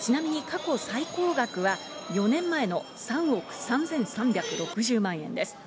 ちなみに過去最高額は４年前の３億３３６０万円です。